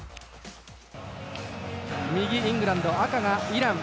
右、イングランド赤がイラン。